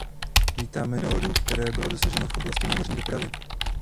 Vítáme dohodu, které bylo dosaženo v oblasti námořní dopravy.